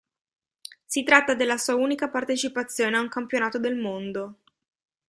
Si tratta della sua unica partecipazione a un campionato del mondo.